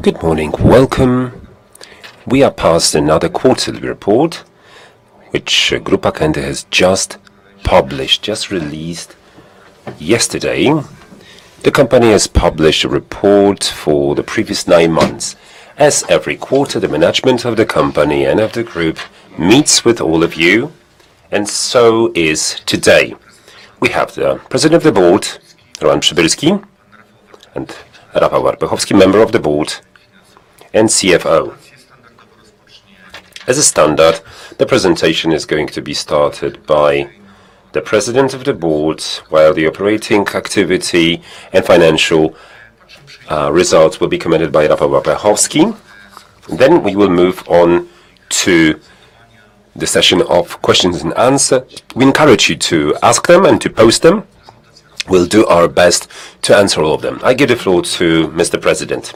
Good morning. Welcome. We are past another quarterly report, which Grupa Kęty has just published, just released yesterday. The company has published a report for the previous nine months. As every quarter, the management of the company and of the group meets with all of you, and so is today. We have the President of the Board, Roman Przybylski, and Rafał Warpechowski, Member of the Board and CFO. As a standard, the presentation is going to be started by the President of the Board, while the operating activity and financial results will be commended by Rafał Warpechowski. Then we will move on to the session of questions and answers. We encourage you to ask them and to post them. We'll do our best to answer all of them. I give the floor to Mr. President.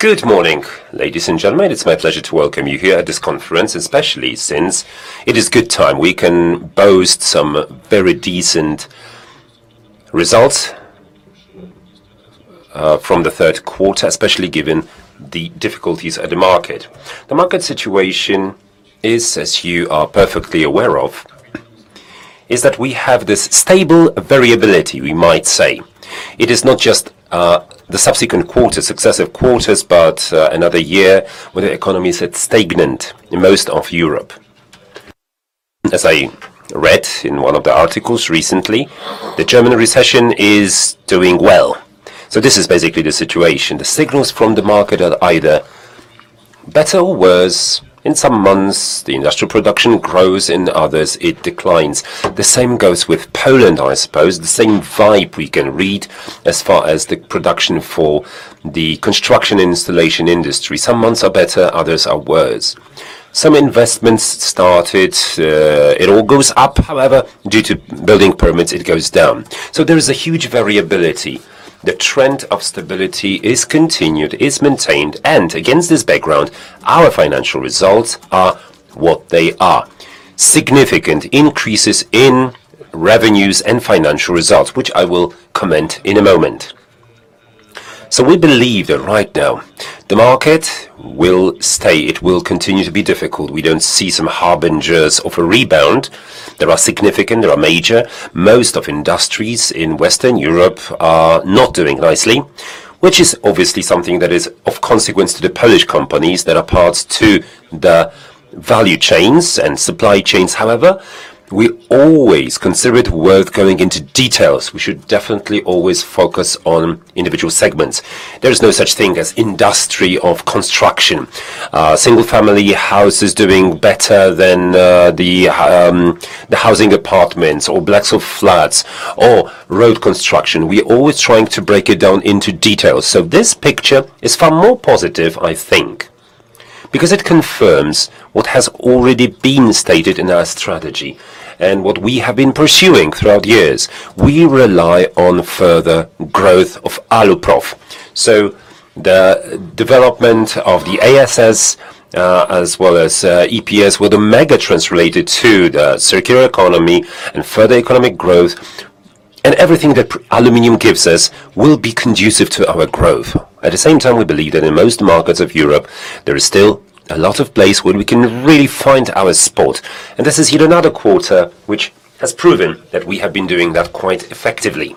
Good morning, ladies and gentlemen. It's my pleasure to welcome you here at this conference, especially since it is a good time. We can boast some very decent results from the third quarter, especially given the difficulties at the market. The market situation is, as you are perfectly aware of, is that we have this stable variability, we might say. It is not just the subsequent quarters, successive quarters, but another year where the economy is stagnant in most of Europe. As I read in one of the articles recently, the German recession is doing well. So this is basically the situation. The signals from the market are either better or worse. In some months, the industrial production grows. In others, it declines. The same goes with Poland, I suppose. The same vibe we can read as far as the production for the construction installation industry. Some months are better. Others are worse. Some investments started, it all goes up. However, due to building permits, it goes down. So there is a huge variability. The trend of stability is continued, is maintained. And against this background, our financial results are what they are: significant increases in revenues and financial results, which I will comment on in a moment. So we believe that right now, the market will stay. It will continue to be difficult. We don't see some harbingers of a rebound. There are major. Most of industries in Western Europe are not doing nicely, which is obviously something that is of consequence to the Polish companies that are parts to the value chains and supply chains. However, we always consider it worth going into details. We should definitely always focus on individual segments. There is no such thing as industry of construction. Single-family houses doing better than the housing apartments or blocks of flats or road construction. We're always trying to break it down into details. So this picture is far more positive, I think, because it confirms what has already been stated in our strategy and what we have been pursuing throughout years. We rely on further growth of Aluprof. So the development of the ASS, as well as EPS, were the megatrends related to the circular economy and further economic growth. And everything that aluminum gives us will be conducive to our growth. At the same time, we believe that in most markets of Europe, there is still a lot of place where we can really find our spot. And this is yet another quarter which has proven that we have been doing that quite effectively.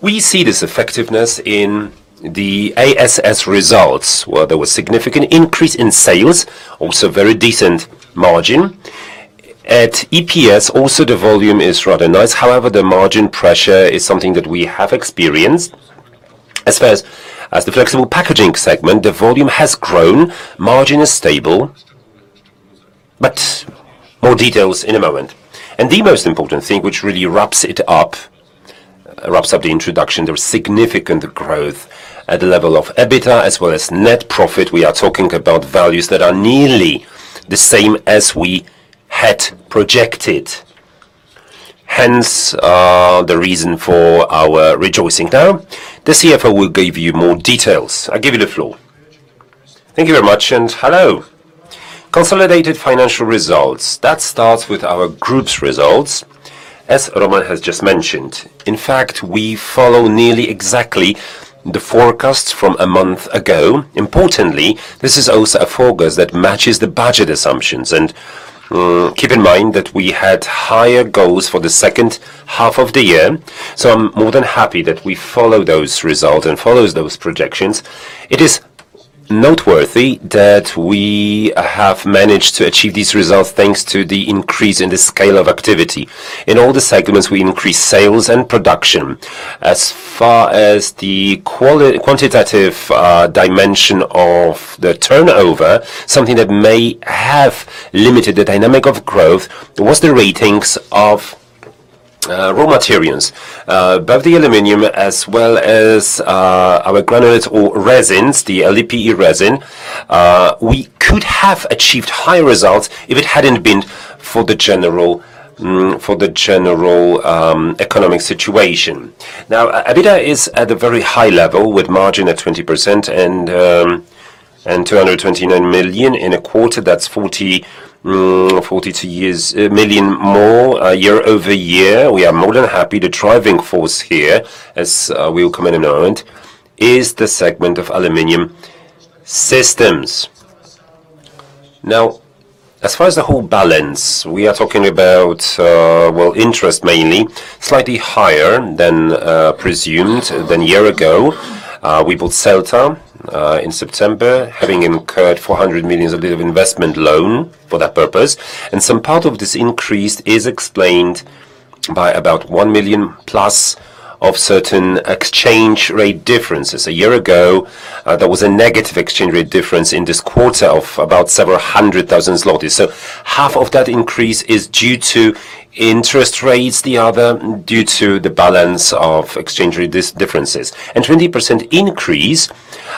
We see this effectiveness in the ASS results, where there was a significant increase in sales, also a very decent margin. At EPS, also the volume is rather nice. However, the margin pressure is something that we have experienced. As far as the flexible packaging segment, the volume has grown. Margin is stable, but more details in a moment, and the most important thing which really wraps it up, wraps up the introduction, there is significant growth at the level of EBITDA as well as net profit. We are talking about values that are nearly the same as we had projected. Hence, the reason for our rejoicing now. The CFO will give you more details. I give you the floor. Thank you very much, and hello. Consolidated financial results. That starts with our group's results. As Roman has just mentioned, in fact, we follow nearly exactly the forecasts from a month ago. Importantly, this is also a forecast that matches the budget assumptions, and keep in mind that we had higher goals for the second half of the year, so I'm more than happy that we follow those results and follow those projections. It is noteworthy that we have managed to achieve these results thanks to the increase in the scale of activity. In all the segments, we increased sales and production. As far as the quantitative dimension of the turnover, something that may have limited the dynamic of growth was the rates of raw materials. Both the aluminum as well as our granulates or resins, the LDPE resin, we could have achieved high results if it hadn't been for the general economic situation. Now, EBITDA is at a very high level with a margin of 20% and 229 million in a quarter. That's 42 million more year over year. We are more than happy. The driving force here, as we will comment in a moment, is the segment of aluminum systems. Now, as far as the whole balance, we are talking about, well, interest mainly, slightly higher than presumed than a year ago. We bought Selt in September, having incurred 400 million of the investment loan for that purpose. And some part of this increase is explained by about 1 million plus of certain exchange rate differences. A year ago, there was a negative exchange rate difference in this quarter of about several hundred thousand PLN. So half of that increase is due to interest rates, the other due to the balance of exchange rate differences. And 20% increase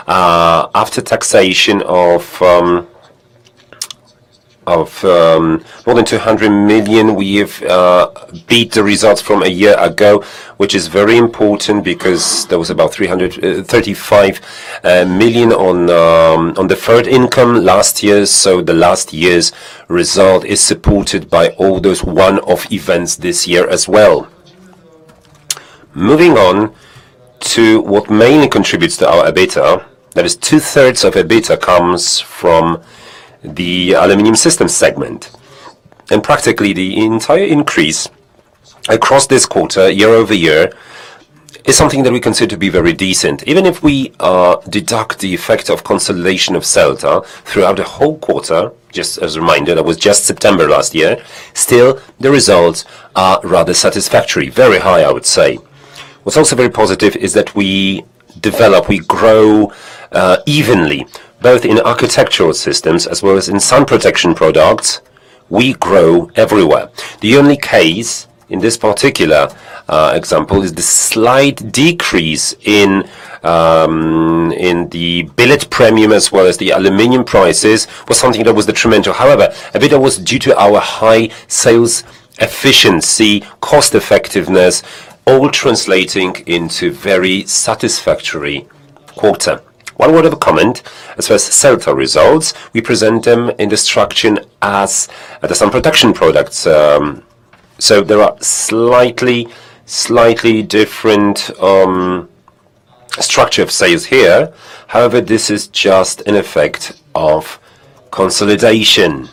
after taxation of more than 200 million, we've beat the results from a year ago, which is very important because there was about 35 million on deferred income last year. So the last year's result is supported by all those one-off events this year as well. Moving on to what mainly contributes to our EBITDA, that is, two-thirds of EBITDA comes from the aluminum systems segment. And practically, the entire increase across this quarter, year over year, is something that we consider to be very decent. Even if we deduct the effect of consolidation of Selt throughout the whole quarter, just as a reminder, that was just September last year, still the results are rather satisfactory, very high, I would say. What's also very positive is that we develop, we grow evenly, both in architectural systems as well as in sun protection products. We grow everywhere. The only case in this particular example is the slight decrease in the billet premium as well as the aluminum prices was something that was detrimental. However, EBITDA was due to our high sales efficiency, cost-effectiveness, all translating into a very satisfactory quarter. One word of a comment. As far as Selt results, we present them in the structure as the sun protection products. So there are slightly different structure of sales here. However, this is just an effect of consolidation.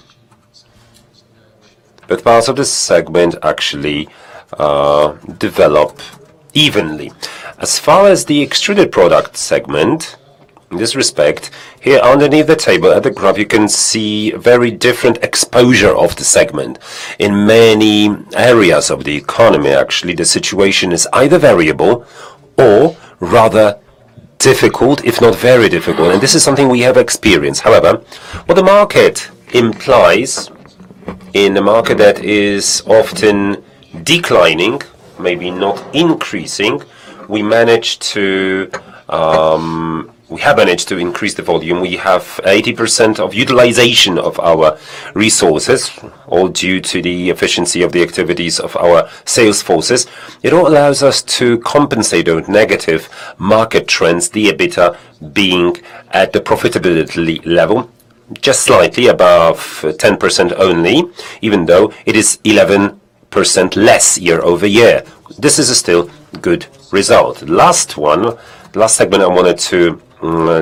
But parts of the segment actually develop evenly. As far as the extruded product segment, in this respect, here underneath the table at the graph, you can see very different exposure of the segment in many areas of the economy. Actually, the situation is either variable or rather difficult, if not very difficult, and this is something we have experienced. However, what the market implies in a market that is often declining, maybe not increasing, we have managed to increase the volume. We have 80% utilization of our resources, all due to the efficiency of the activities of our sales forces. It allows us to compensate those negative market trends, the EBITDA being at the profitability level, just slightly above 10% only, even though it is 11% less year over year. This is still a good result. Last one, last segment I wanted to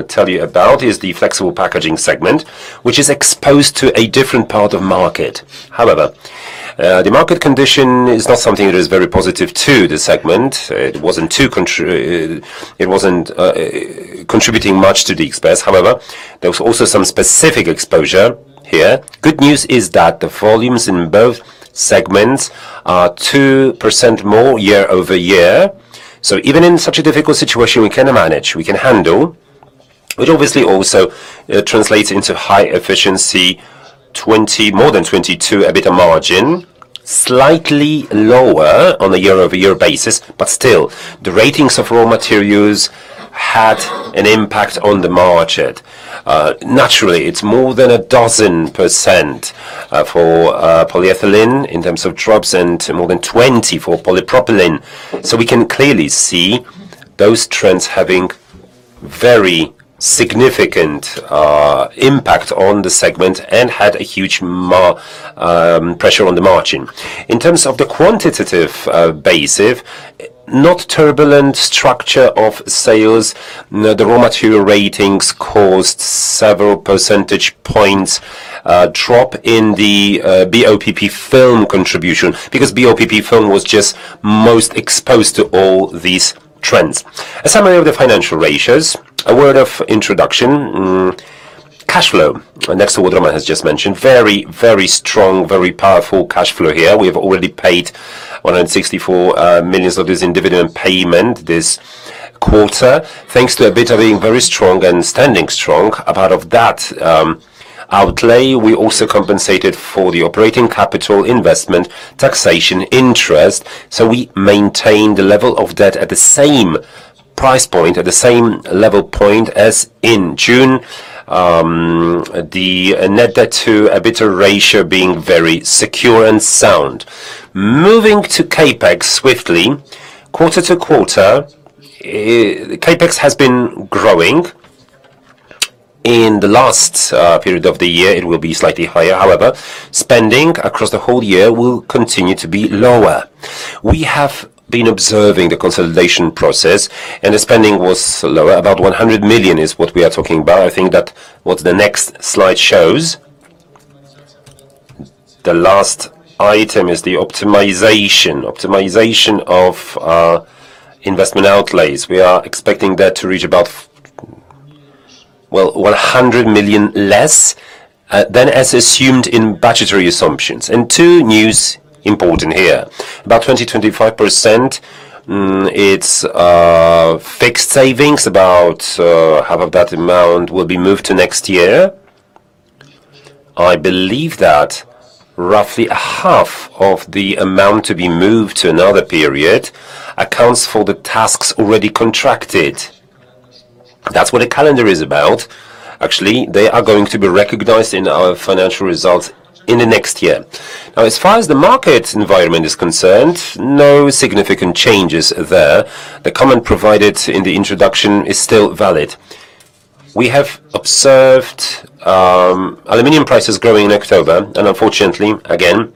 tell you about is the flexible packaging segment, which is exposed to a different part of market. However, the market condition is not something that is very positive to the segment. It wasn't contributing much to the EBITDA. However, there was also some specific exposure here. Good news is that the volumes in both segments are 2% more year over year. So even in such a difficult situation, we can manage, we can handle, which obviously also translates into high efficiency, more than 22 EBITDA margin, slightly lower on a year-over-year basis. But still, the rates of raw materials had an impact on the market. Naturally, it's more than a dozen% for polyethylene in terms of drops and more than 20 for polypropylene. So we can clearly see those trends having very significant impact on the segment and had a huge pressure on the margin. In terms of the quantitative basis, and the turbulent structure of sales, the raw material rates caused several percentage points drop in the BOPP film contribution because BOPP film was just the most exposed to all these trends. A summary of the financial ratios, a word of introduction. Cash flow, next to what Roman has just mentioned, very, very strong, very powerful cash flow here. We have already paid PLN 164 million in dividend payment this quarter, thanks to EBITDA being very strong and standing strong. Apart of that outlay, we also compensated for the operating capital investment, taxation, interest. So we maintained the level of debt at the same price point, at the same level point as in June, the net debt to EBITDA ratio being very secure and sound. Moving to CAPEX swiftly, quarter to quarter, CAPEX has been growing. In the last period of the year, it will be slightly higher. However, spending across the whole year will continue to be lower. We have been observing the consolidation process, and the spending was lower. About 100 million is what we are talking about. I think that what the next slide shows, the last item is the optimization of investment outlays. We are expecting that to reach about, well, 100 million less than as assumed in budgetary assumptions. Two news important here. About 20%-25%, it's fixed savings. About half of that amount will be moved to next year. I believe that roughly half of the amount to be moved to another period accounts for the tasks already contracted. That's what the calendar is about. Actually, they are going to be recognized in our financial results in the next year. Now, as far as the market environment is concerned, no significant changes there. The comment provided in the introduction is still valid. We have observed aluminum prices growing in October, and unfortunately, again,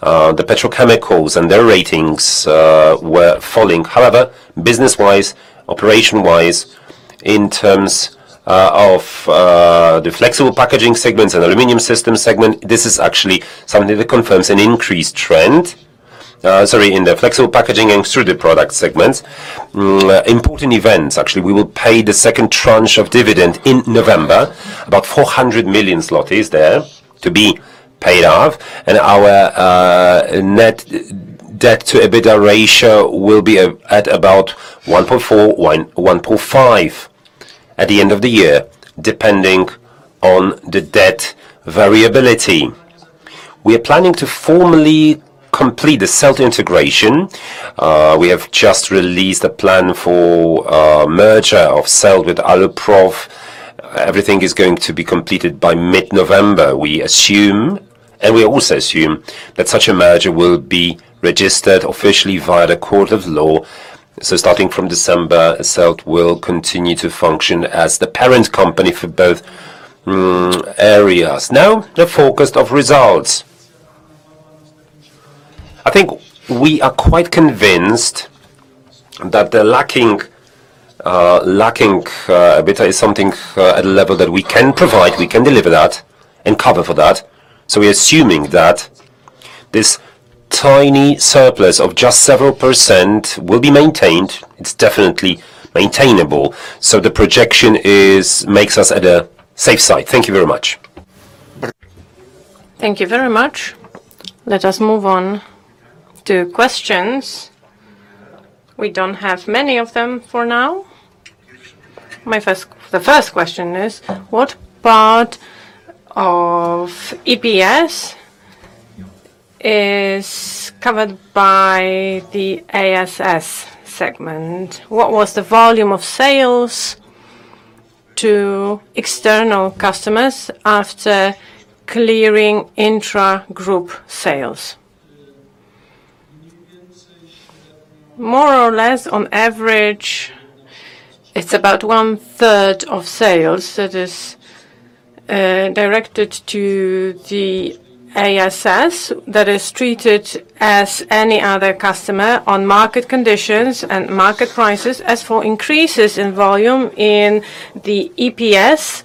the petrochemicals and their rates were falling. However, business-wise, operation-wise, in terms of the flexible packaging segments and aluminum systems segment, this is actually something that confirms an increased trend, sorry, in the flexible packaging and extruded product segments. Important events, actually, we will pay the second tranche of dividend in November, about 400 million zlotys there to be paid off. And our net debt to EBITDA ratio will be at about 1.4-1.5 at the end of the year, depending on the debt variability. We are planning to formally complete the Selt integration. We have just released a plan for merger of Selt with Aluprof. Everything is going to be completed by mid-November, we assume. And we also assume that such a merger will be registered officially via the court of law. So starting from December, Selt will continue to function as the parent company for both areas. Now, the focus of results. I think we are quite convinced that the lacking EBITDA is something at a level that we can provide, we can deliver that and cover for that. So we're assuming that this tiny surplus of just several % will be maintained. It's definitely maintainable. So the projection makes us at a safe side. Thank you very much. Thank you very much. Let us move on to questions. We don't have many of them for now. The first question is, what part of EPS is covered by the ASS segment? What was the volume of sales to external customers after clearing intra-group sales? More or less, on average, it's about one-third of sales that is directed to the ASS that is treated as any other customer on market conditions and market prices. As for increases in volume in the EPS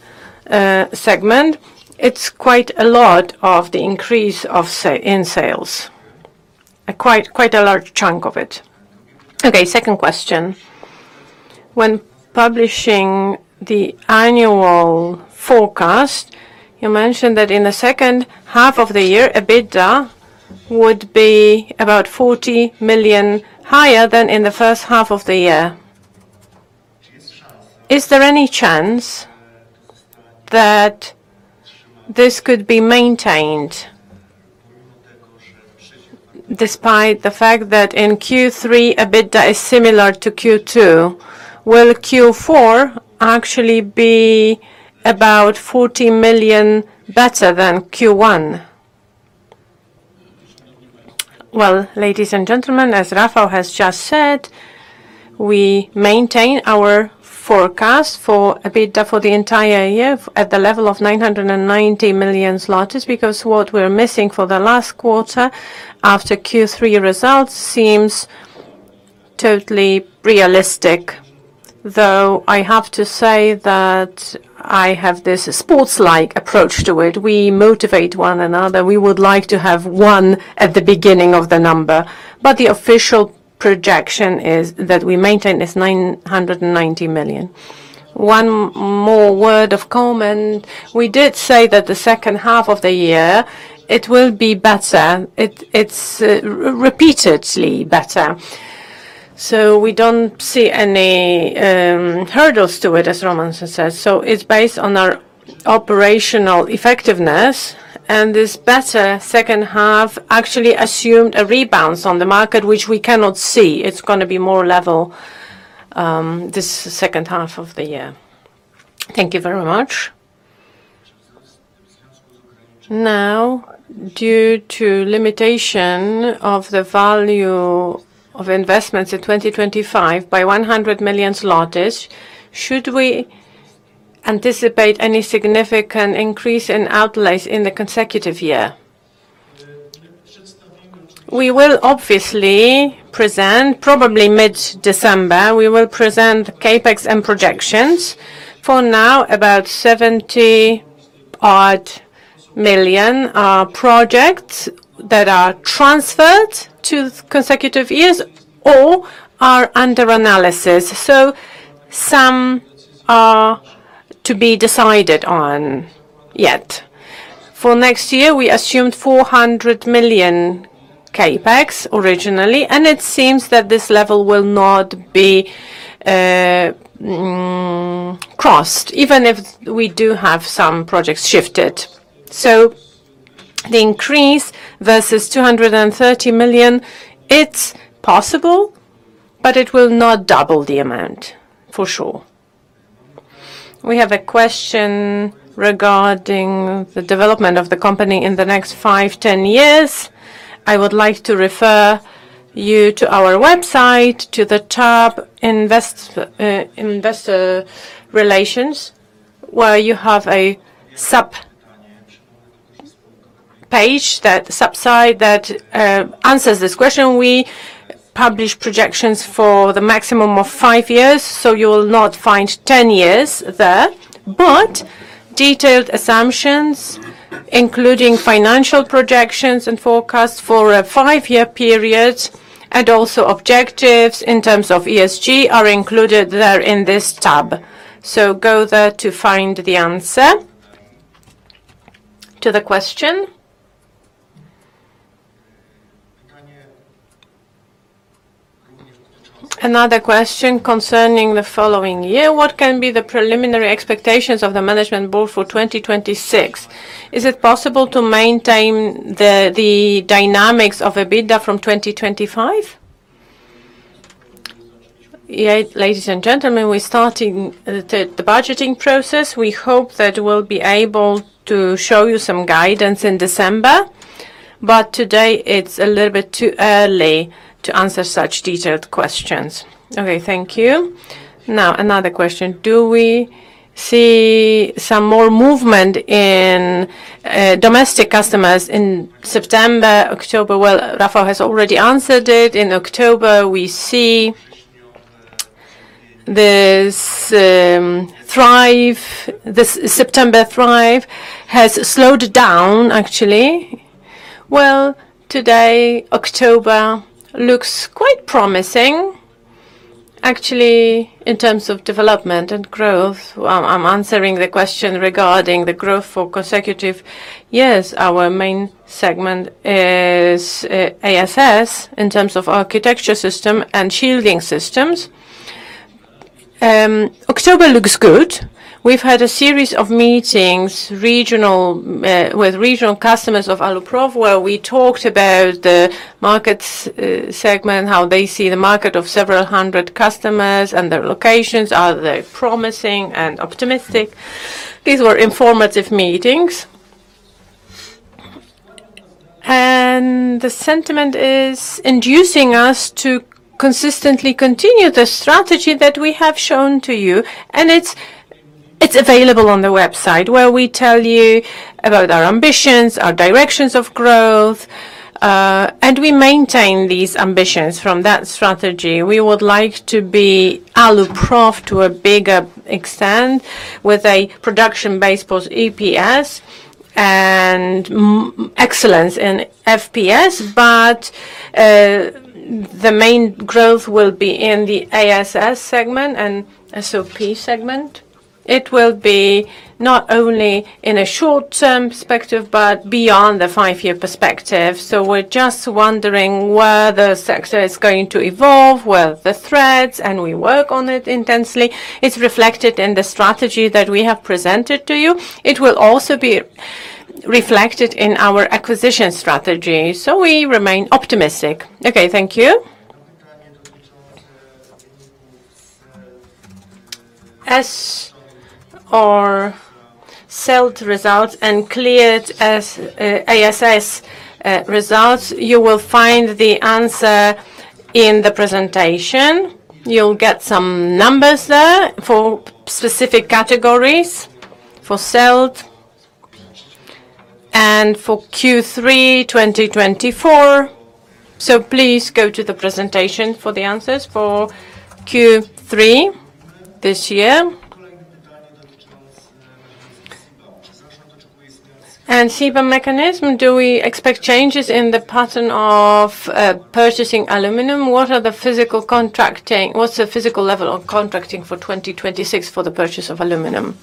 segment, it's quite a lot of the increase in sales, quite a large chunk of it. Okay, second question. When publishing the annual forecast, you mentioned that in the second half of the year, EBITDA would be about 40 million higher than in the first half of the year. Is there any chance that this could be maintained despite the fact that in Q3, EBITDA is similar to Q2? Will Q4 actually be about 40 million better than Q1? Well, ladies and gentlemen, as Rafał has just said, we maintain our forecast for EBITDA for the entire year at the level of 990 million zlotys because what we're missing for the last quarter after Q3 results seems totally realistic. Though I have to say that I have this sports-like approach to it. We motivate one another. We would like to have one at the beginning of the number. But the official projection is that we maintain this 990 million. One more word of comment. We did say that the second half of the year, it will be better. It's repeatedly better. So we don't see any hurdles to it, as Roman says. So it's based on our operational effectiveness. And this better second half actually assumed a rebound on the market, which we cannot see. It's going to be more level this second half of the year. Thank you very much. Now, due to limitation of the value of investments in 2025 by 100 million, should we anticipate any significant increase in outlays in the consecutive year? We will obviously present, probably mid-December, we will present CAPEX and projections. For now, about 70-odd million are projects that are transferred to consecutive years or are under analysis, so some are to be decided on yet. For next year, we assumed 400 million CAPEX originally, and it seems that this level will not be crossed, even if we do have some projects shifted, so the increase versus 230 million is possible, but it will not double the amount for sure. We have a question regarding the development of the company in the next 5, 10 years. I would like to refer you to our website, to the top investor relations, where you have a subpage that answers this question. We publish projections for the maximum of five years, so you will not find 10 years there, but detailed assumptions, including financial projections and forecasts for a five-year period, and also objectives in terms of ESG are included there in this tab. So go there to find the answer to the question. Another question concerning the following year. What can be the preliminary expectations of the management board for 2026? Is it possible to maintain the dynamics of EBITDA from 2025? Ladies and gentlemen, we're starting the budgeting process. We hope that we'll be able to show you some guidance in December, but today it's a little bit too early to answer such detailed questions. Okay, thank you. Now, another question. Do we see some more movement in domestic customers in September, October? Well, Rafał has already answered it. In October, we see this September trend has slowed down, actually. Well, today, October looks quite promising, actually, in terms of development and growth. I'm answering the question regarding the growth for consecutive years. Our main segment is ASS in terms of architectural systems and shading systems. October looks good. We've had a series of meetings with regional customers of Aluprof where we talked about the market segment, how they see the market of several hundred customers and their locations. Are they promising and optimistic? These were informative meetings, and the sentiment is inducing us to consistently continue the strategy that we have shown to you, and it's available on the website where we tell you about our ambitions, our directions of growth, and we maintain these ambitions from that strategy. We would like to be Aluprof to a bigger extent with a production-based EPS and excellence in FPS, but the main growth will be in the ASS segment and SOP segment. It will be not only in a short-term perspective but beyond the five-year perspective, so we're just wondering where the sector is going to evolve, where the threats, and we work on it intensely. It's reflected in the strategy that we have presented to you. It will also be reflected in our acquisition strategy. So we remain optimistic. Okay, thank you. As our sales results and cleared ASS results, you will find the answer in the presentation. You'll get some numbers there for specific categories for sales and for Q3 2024. So please go to the presentation for the answers for Q3 this year. And CBAM mechanism, do we expect changes in the pattern of purchasing aluminum? What are the physical contracting? What's the physical level of contracting for 2026 for the purchase of aluminum?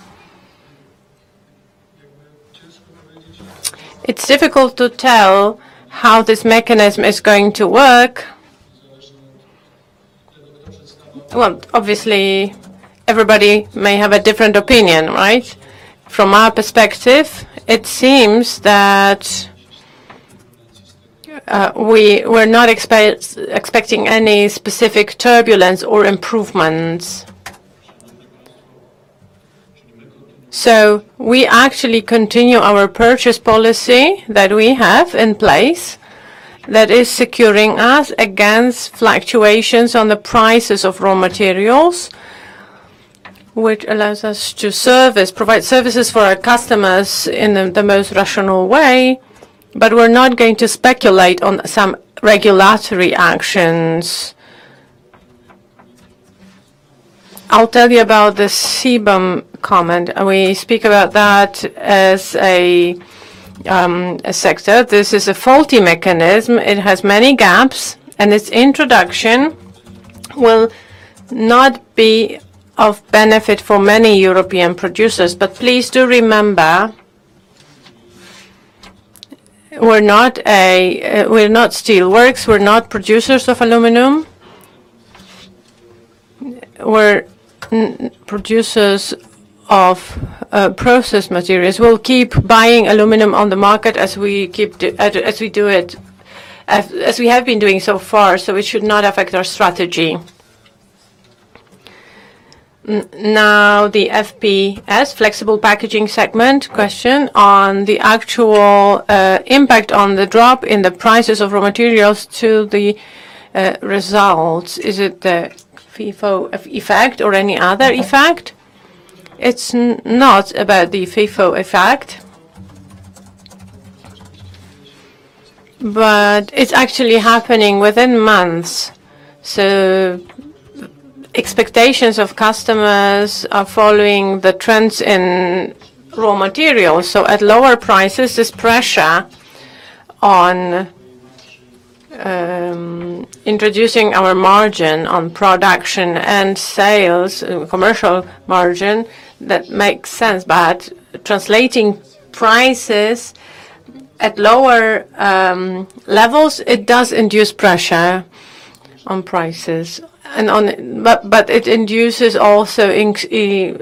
It's difficult to tell how this mechanism is going to work. Well, obviously, everybody may have a different opinion, right? From our perspective, it seems that we're not expecting any specific turbulence or improvements. So we actually continue our purchase policy that we have in place that is securing us against fluctuations on the prices of raw materials, which allows us to provide services for our customers in the most rational way, but we're not going to speculate on some regulatory actions. I'll tell you about the CBAM comment. We speak about that as a sector. This is a faulty mechanism. It has many gaps, and its introduction will not be of benefit for many European producers. But please do remember, we're not steelworks. We're not producers of aluminum. We're producers of process materials. We'll keep buying aluminum on the market as we do it, as we have been doing so far. So it should not affect our strategy. Now, the FPS, flexible packaging segment question on the actual impact on the drop in the prices of raw materials to the results. Is it the FIFO effect or any other effect? It's not about the FIFO effect, but it's actually happening within months. So expectations of customers are following the trends in raw materials. So at lower prices, this pressure on introducing our margin on production and sales, commercial margin, that makes sense. But translating prices at lower levels, it does induce pressure on prices. But it induces also increasing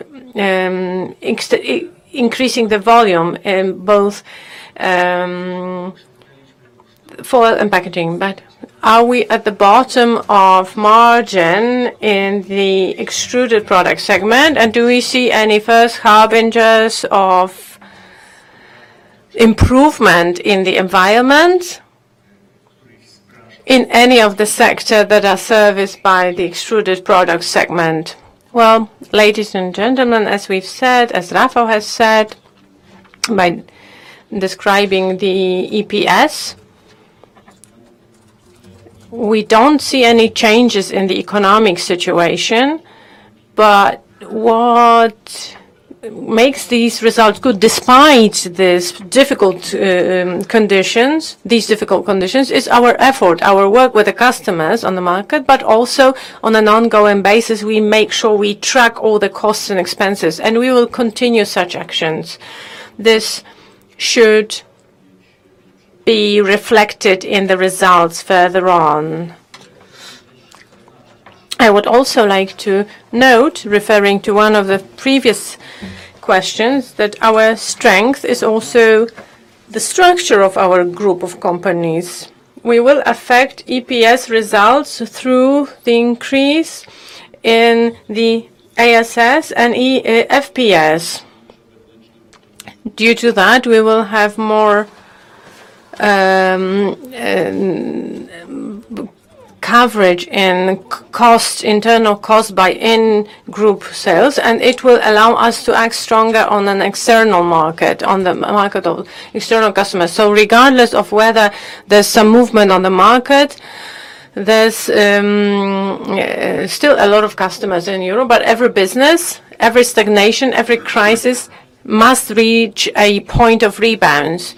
the volume in both foil and packaging. But are we at the bottom of margin in the extruded product segment? And do we see any first harbingers of improvement in the environment in any of the sectors that are serviced by the extruded product segment? Well, ladies and gentlemen, as we've said, as Rafał has said by describing the EPS, we don't see any changes in the economic situation. but what makes these results good, despite these difficult conditions, is our effort, our work with the customers on the market, but also on an ongoing basis, we make sure we track all the costs and expenses, and we will continue such actions. This should be reflected in the results further on. I would also like to note, referring to one of the previous questions, that our strength is also the structure of our group of companies. We will affect EPS results through the increase in the ASS and FPS. Due to that, we will have more coverage in internal costs by in-group sales, and it will allow us to act stronger on an external market, on the market of external customers. So regardless of whether there's some movement on the market, there's still a lot of customers in Europe, but every business, every stagnation, every crisis must reach a point of rebound,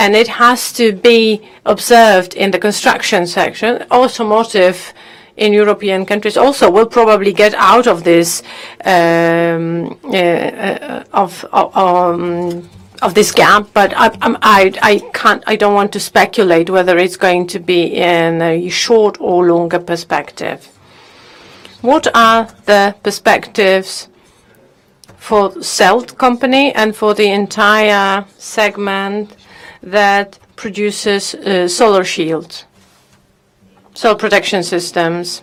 and it has to be observed in the construction section. Automotive in European countries also will probably get out of this gap, but I don't want to speculate whether it's going to be in a short or longer perspective. What are the perspectives for Selt company and for the entire segment that produces sun shields, sun protection systems?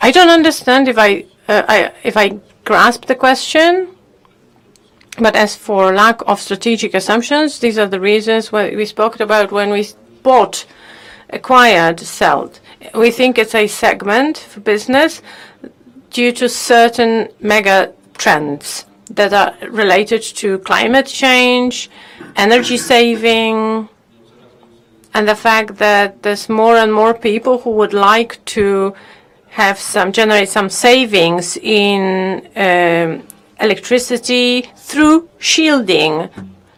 I don't understand if I grasp the question, but as for lack of strategic assumptions, these are the reasons we spoke about when we bought, acquired Selt. We think it's a segment for business due to certain mega trends that are related to climate change, energy saving, and the fact that there's more and more people who would like to generate some savings in electricity through shielding,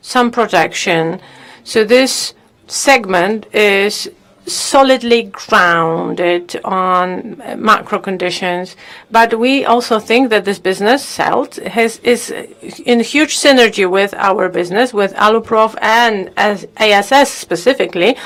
some protection. So this segment is solidly grounded on macro conditions, but we also think that this business, Selt, is in huge synergy with our business, with Aluprof and ASS specifically.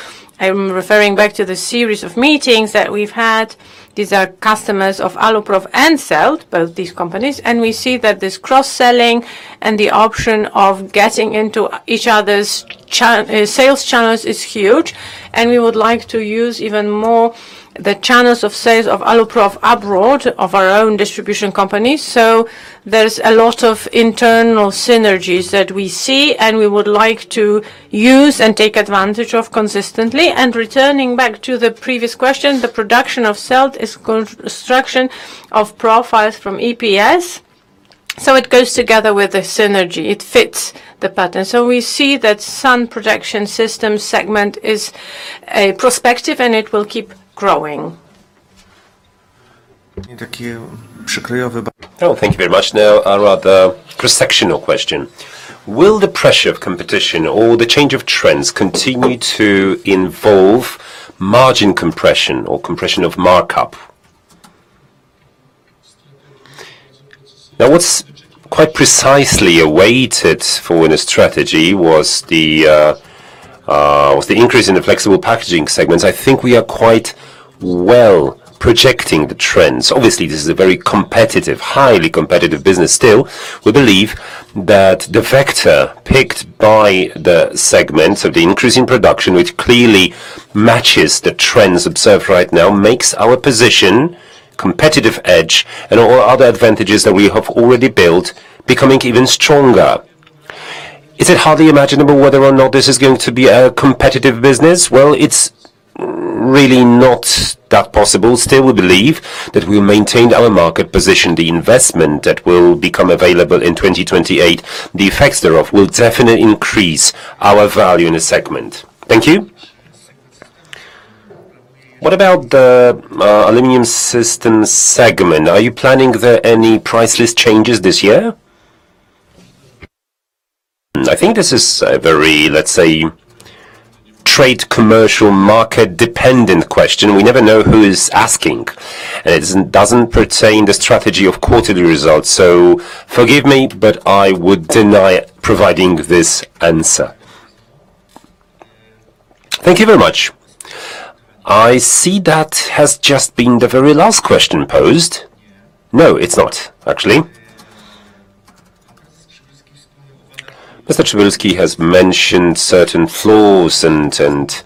I'm referring back to the series of meetings that we've had. These are customers of Aluprof and Selt, both these companies, and we see that this cross-selling and the option of getting into each other's sales channels is huge, and we would like to use even more the channels of sales of Aluprof abroad, of our own distribution companies. So there's a lot of internal synergies that we see, and we would like to use and take advantage of consistently. And returning back to the previous question, the production of Selt is construction of profiles from EPS. So it goes together with the synergy. It fits the pattern. So we see that sun protection system segment is a prospective, and it will keep growing. Oh, thank you very much. Now, I'll rather cross-sectional question. Will the pressure of competition or the change of trends continue to involve margin compression or compression of markup? Now, what's quite precisely awaited for in a strategy was the increase in the flexible packaging segments. I think we are quite well projecting the trends. Obviously, this is a very competitive, highly competitive business still. We believe that the vector picked by the segments of the increasing production, which clearly matches the trends observed right now, makes our position, competitive edge, and all other advantages that we have already built, becoming even stronger. Is it hardly imaginable whether or not this is going to be a competitive business? Well, it's really not that possible. Still, we believe that we maintained our market position. The investment that will become available in 2028. The effects thereof will definitely increase our value in the segment. Thank you. What about the aluminum systems segment? Are you planning there any pricing changes this year? I think this is a very, let's say, trade commercial market-dependent question. We never know who is asking, and it doesn't pertain to the strategy of quarterly results. So forgive me, but I would decline providing this answer. Thank you very much. I see that has just been the very last question posed. No, it's not, actually. Mr. Przybylski has mentioned certain flaws and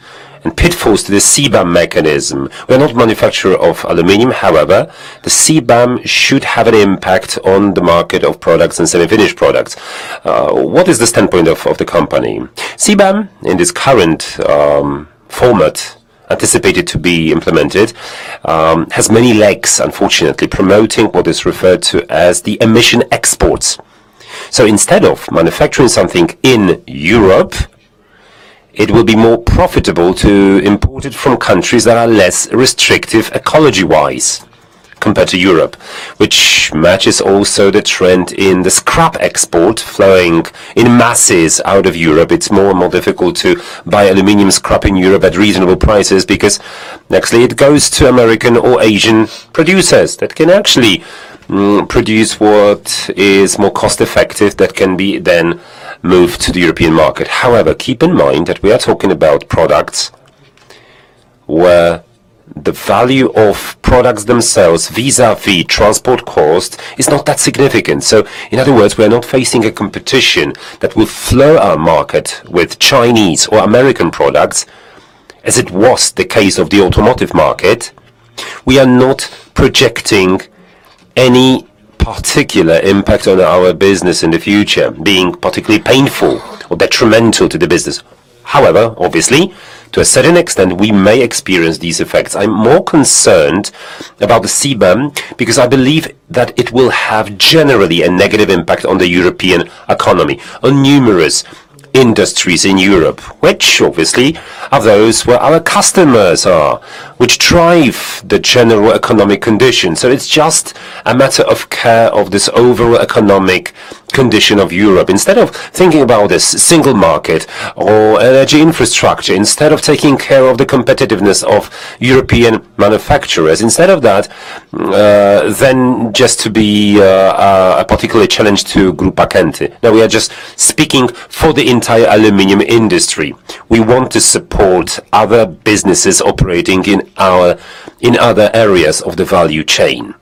pitfalls to the CBAM mechanism. We're not a manufacturer of aluminum. However, the CBAM should have an impact on the market of products and semi-finished products. What is the standpoint of the company? CBAM, in this current format anticipated to be implemented, has many legs, unfortunately, promoting what is referred to as the emission exports. So instead of manufacturing something in Europe, it will be more profitable to import it from countries that are less restrictive ecology-wise compared to Europe, which matches also the trend in the scrap export flowing in masses out of Europe. It's more and more difficult to buy aluminum scrap in Europe at reasonable prices because actually it goes to American or Asian producers that can actually produce what is more cost-effective that can be then moved to the European market. However, keep in mind that we are talking about products where the value of products themselves vis-à-vis transport cost is not that significant, so in other words, we are not facing a competition that will flood our market with Chinese or American products as it was the case of the automotive market. We are not projecting any particular impact on our business in the future, being particularly painful or detrimental to the business. However, obviously, to a certain extent, we may experience these effects. I'm more concerned about the CBAM because I believe that it will have generally a negative impact on the European economy, on numerous industries in Europe, which obviously are those where our customers are, which drive the general economic conditions. So it's just a matter of care of this overall economic condition of Europe. Instead of thinking about this single market or energy infrastructure, instead of taking care of the competitiveness of European manufacturers, instead of that, then just to be a particular challenge to Grupa Kęty. Now, we are just speaking for the entire aluminum industry. We want to support other businesses operating in other areas of the value chain.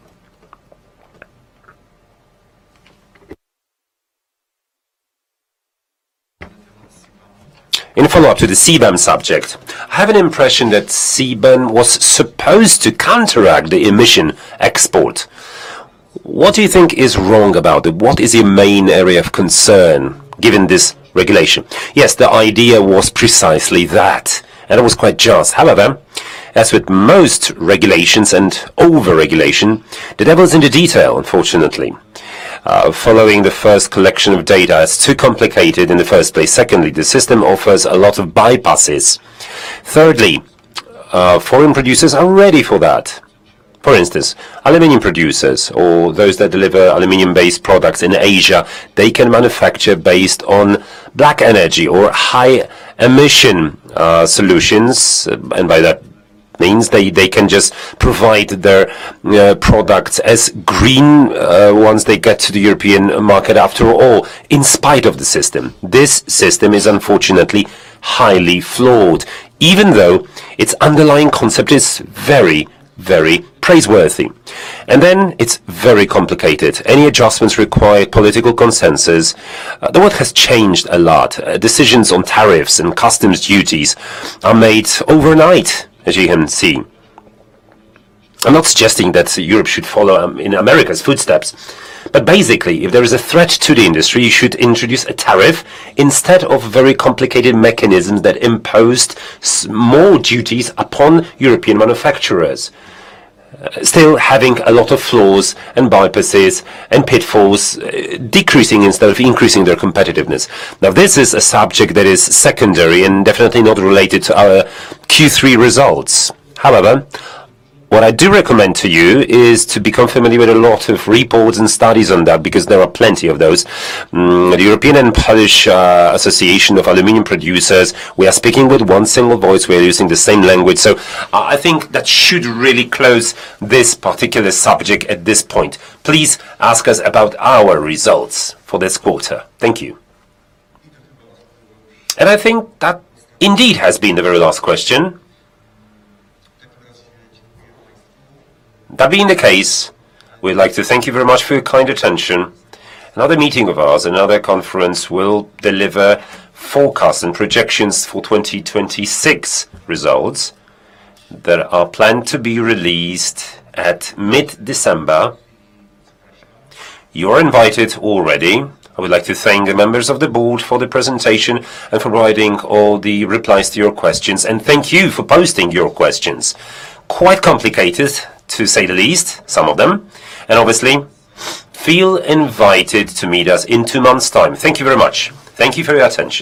In follow-up to the CBAM subject, I have an impression that CBAM was supposed to counteract the emission export. What do you think is wrong about it? What is your main area of concern given this regulation? Yes, the idea was precisely that, and it was quite just. However, as with most regulations and over-regulation, the devil's in the detail, unfortunately. Following the first collection of data is too complicated in the first place. Secondly, the system offers a lot of bypasses. Thirdly, foreign producers are ready for that. For instance, aluminum producers or those that deliver aluminum-based products in Asia, they can manufacture based on black energy or high-emission solutions, and by that means, they can just provide their products as green once they get to the European market after all, in spite of the system. This system is unfortunately highly flawed, even though its underlying concept is very, very praiseworthy, and then it's very complicated. Any adjustments require political consensus. The world has changed a lot. Decisions on tariffs and customs duties are made overnight, as you can see. I'm not suggesting that Europe should follow in America's footsteps, but basically, if there is a threat to the industry, you should introduce a tariff instead of very complicated mechanisms that imposed more duties upon European manufacturers, still having a lot of flaws and bypasses and pitfalls decreasing instead of increasing their competitiveness. Now, this is a subject that is secondary and definitely not related to our Q3 results. However, what I do recommend to you is to become familiar with a lot of reports and studies on that because there are plenty of those. The European and Polish Association of Aluminum Producers. We are speaking with one single voice. We are using the same language. So I think that should really close this particular subject at this point. Please ask us about our results for this quarter. Thank you. I think that indeed has been the very last question. That being the case, we'd like to thank you very much for your kind attention. Another meeting of ours, another conference will deliver forecasts and projections for 2026 results that are planned to be released at mid-December. You're invited already. I would like to thank the members of the board for the presentation and for providing all the replies to your questions, and thank you for posting your questions. Quite complicated, to say the least, some of them. Obviously, feel invited to meet us in two months' time. Thank you very much. Thank you for your attention.